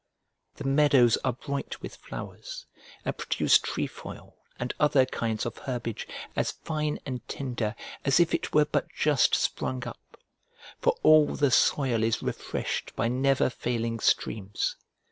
The meadows are bright with flowers, and produce trefoil and other kinds of herbage as fine and tender as if it were but just sprung up, for all the soil is refreshed by never failing streams.